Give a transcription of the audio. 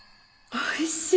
おいしい。